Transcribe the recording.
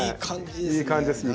いい感じですね！